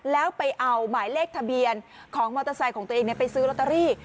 แล้วไปเอาหมายเลขทะเบียนของมอเตอร์ไซค์ของตัวเองไปซื้อลอตเตอรี่